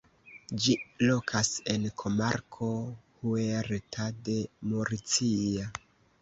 Ĝi lokas en komarko Huerta de Murcia.